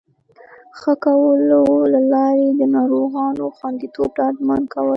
ښه کولو له لارې د ناروغانو خوندیتوب ډاډمن کول